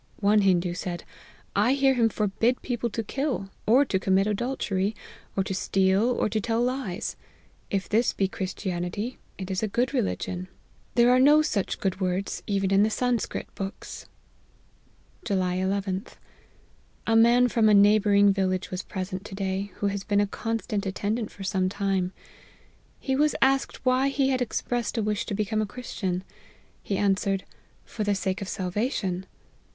One Hindoo said, ' I hear him forbid people to kill, or to commit adultery, or to steal, or to tell lies ' if this be Christianity, it is a good religion ; there * An idol. u2 234 APPENDIX are no such good words even in the Sanscrit books.' "July llth. A man from a neighbouring vil lage was present to day, who has been a constant attendant for some time. He was asked why he had expressed a wish to become a Christian ? He answered, For the sake of salvation.'